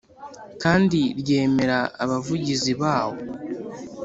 kandi ryemera Abavugizi bawo.